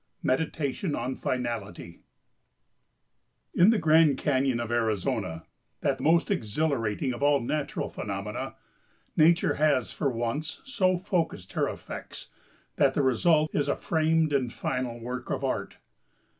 MEDITATION ON FINALITY In the Grand Canyon of Arizona, that most exhilarating of all natural phenomena, Nature has for once so focussed her effects, that the result is a framed and final work of Art.